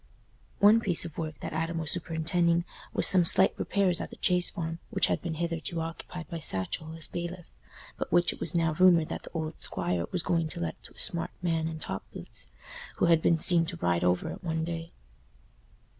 One piece of work that Adam was superintending was some slight repairs at the Chase Farm, which had been hitherto occupied by Satchell, as bailiff, but which it was now rumoured that the old squire was going to let to a smart man in top boots, who had been seen to ride over it one day.